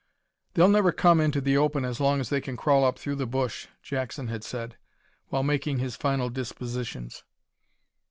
"They'll never come into the open as long as they can crawl up through the bush," Jackson had said, while making his final dispositions.